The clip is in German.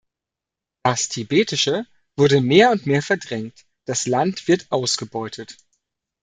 Das Tibetische wurde mehr und mehr verdrängt, das Land wird ausgebeutet.